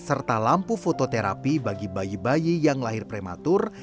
serta lampu fototerapi bagi bayi bayi yang lahir prematur